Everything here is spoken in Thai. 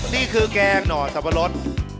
นี่คือแกงหน่อสับปะรด